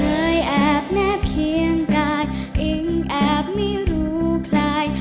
เคยแอบแม้เพียงกาดอิ่งแอบไม่รู้คลาย